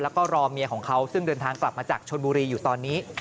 แล้วก็รอเมียของเขาซึ่งเดินทางกลับมาจากชนบุรีอยู่ตอนนี้